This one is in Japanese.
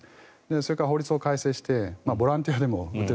それから法律を改正してボランティアでも打てる。